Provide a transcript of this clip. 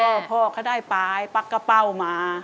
แล้วก็วิรกรรมก็พ่อเขาได้ปลายปักกระเป้าหมา